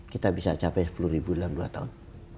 kita bisa capai sepuluh ribu dalam dua tahun